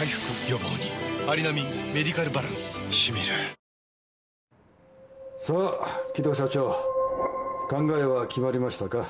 ＳＵＮＴＯＲＹさあ城戸社長考えは決まりましたか？